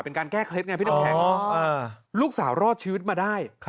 เป็นการแก้เคล็ดไงพี่น้ำแข็งลูกสาวรอดชีวิตมาได้